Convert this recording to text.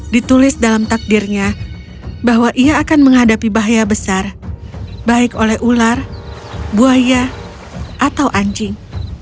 ditulis dalam takdirnya bahwa ia akan menghadapi bahaya besar baik oleh ular buaya atau anjing